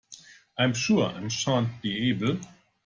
I’m sure I shan’t be able!